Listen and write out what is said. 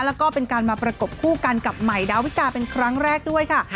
แล้วก็เป็นการมาประกบคู่กันกับใหม่ดาวิกาเป็นครั้งแรกด้วยค่ะ